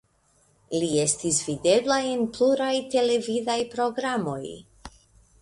Li estis videbla en pluraj televidaj programoj.